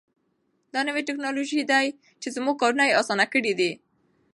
دا نوې تکنالوژي ده چې زموږ کارونه یې اسانه کړي دي.